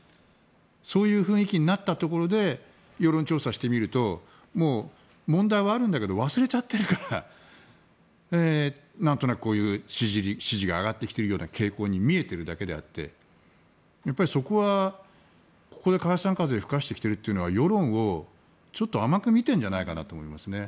そういう雰囲気になったところで世論調査をしてみると問題はあるんだけど忘れちゃっているからなんとなくこういう支持が上がってきているような傾向に見えているだけであってそこは、ここで解散風を吹かせてきているというのは世論をちょっと甘く見ているんじゃないかなと思います。